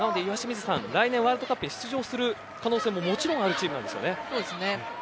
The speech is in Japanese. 来年、ワールドカップに出場する可能性ももちろんあるチームですよね。